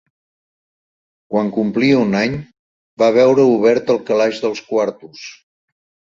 Quan complia un any, va veure obert el calaix dels quartos